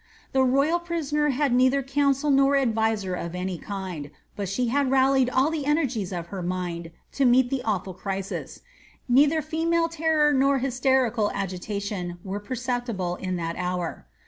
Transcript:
The royal prisoner had neither cooocil nor adviser of any kind« but she had rallied all the energies of her miod to meet the awful crisis ; neither female terror nor hysterical agitatioa were perceptible in that hour.